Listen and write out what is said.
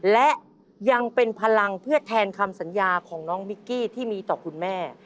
และยังเป็นพลังเพื่อแทนคำสัญญาของน้องมิกกี้ที่มีต่อคุณแม่